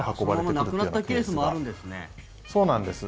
そのまま亡くなったケースもあるんですね。